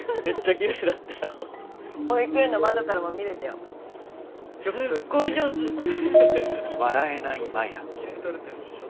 きれいに撮れてるでしょ？